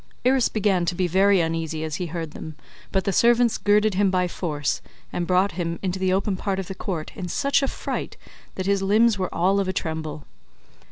Irus began to be very uneasy as he heard them, but the servants girded him by force, and brought him [into the open part of the court] in such a fright that his limbs were all of a tremble.